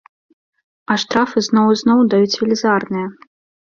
А штрафы зноў і зноў даюць велізарныя.